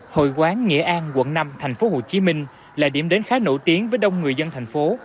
hội quán nghĩa an quận năm tp hcm là điểm đến khá nổi tiếng với đông người dân thành phố